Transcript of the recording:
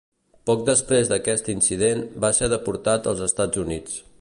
Poc després d'aquest incident, va ser deportar als Estats Units.